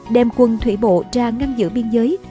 đem quân thủy bộ ra ngăn giữ biên giới